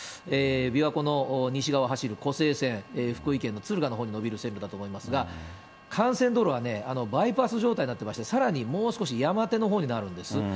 琵琶湖の西側を走るこせい線、福井県の敦賀のほうに延びる線路だと思いますが、幹線道路は、バイパス状態になってまして、さらにもう少し山手のほうになるんです。